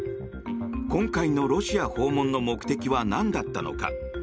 今回のロシア訪問の目的はなんだったのか。